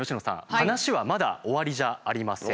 話はまだ終わりじゃありません。